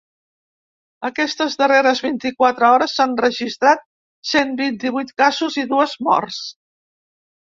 Aquestes darreres vint-i-quatre hores s’han registrat cent vint-i-vuit casos i dues morts.